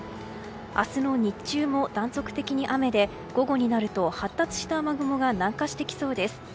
明日の日中も断続的に雨で午後になると発達した雨雲が南下してきそうです。